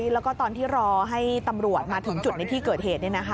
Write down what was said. แล้วก็ตอนที่รอให้ตำรวจมาถึงจุดในที่เกิดเหตุ